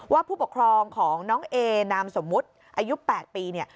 ผู้ปกครองของน้องเอนามสมมุติอายุ๘ปี